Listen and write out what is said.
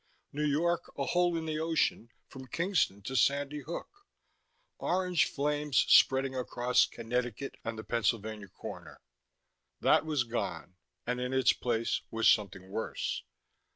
New York a hole in the ocean, from Kingston to Sandy Hook; orange flames spreading across Connecticut and the Pennsylvania corner. That was gone and in its place was something worse.